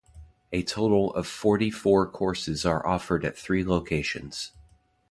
A total of forty-four courses are offered at the three locations.